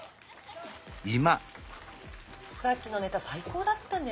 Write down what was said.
さっきのネタ最高だったね。